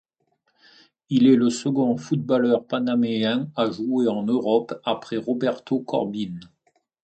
Il est le second footballeur panaméen à jouer en Europe après Roberto Corbin.